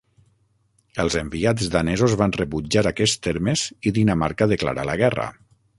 Els enviats danesos van rebutjar aquests termes i Dinamarca declarà la guerra.